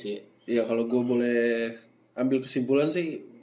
iya kalau gue boleh ambil kesimpulan sih